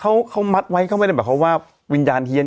แต่เขามัดไว้เขาไม่ได้บอกว่าวิญญาณเฮียน